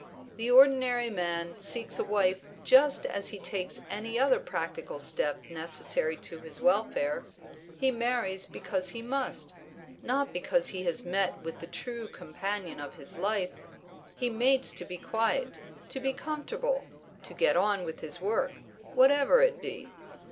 The ordinary man seeks a wife just as he takes any other practical step necessary to his welfare; he marries because he must, not because he has met with the true companion of his life; he mates to be quiet, to be comfortable, to get on with his work, whatever it be.